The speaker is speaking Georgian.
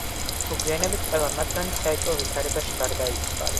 მოგვიანებით, ყველა მათგანი საეჭვო ვითარებაში გარდაიცვალა.